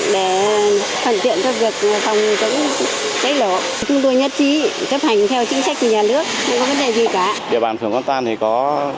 để phần điện cho việc phòng chống cháy lỗ